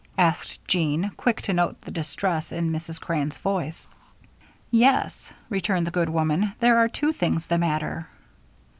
asked Jean, quick to note the distress in Mrs. Crane's voice. "Yes," returned the good woman, "there are two things the matter."